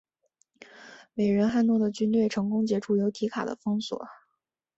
伟人汉诺的军队成功解除由提卡的封锁。